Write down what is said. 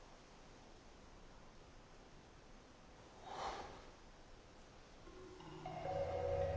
はあ。